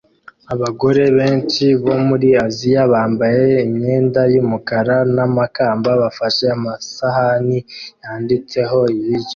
Abagore benshi bo muri Aziya bambaye imyenda yumukara namakamba bafashe amasahani yanditseho ibiryo